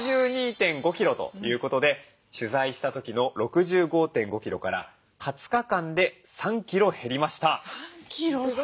６２．５キロということで取材した時の６５．５キロから２０日間で３キロ減りました。